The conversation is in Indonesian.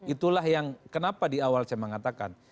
itulah yang kenapa di awal saya mengatakan